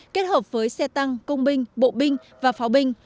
kết hợp với xe tăng công binh bộ binh và pháo binh